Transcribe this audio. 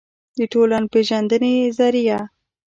دټولنپېژندې ظریه